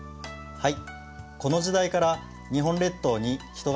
はい。